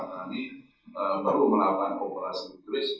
karena perlu melakukan operasi quiz